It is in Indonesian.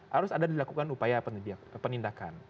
harus ada dilakukan upaya penindakan